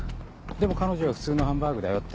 でも彼女は「普通のハンバーグだよ」って。